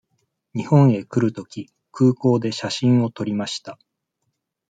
日本へ来るとき、空港で写真を撮りました。